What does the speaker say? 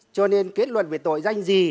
cho nên kết luận về tội danh dịch